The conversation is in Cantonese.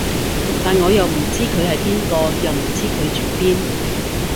但我又唔知佢係邊個，又唔知佢住邊